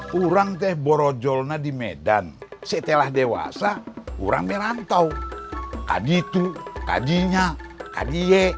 kisah kisah dari bapak nabi s a w